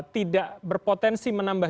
tidak berpotensi menambah